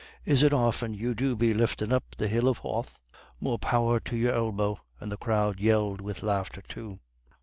Is it often you do be liftin' up the Hill of Howth? More power to your elbow." And the crowd yelled with laughter too.